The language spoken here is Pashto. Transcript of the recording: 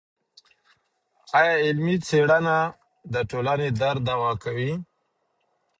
ايا علمي څېړنه د ټولني درد دوا کوي؟